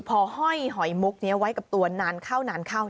พอห้อยหอยมุกนี้ไว้กับตัวนานเข้านานเข้า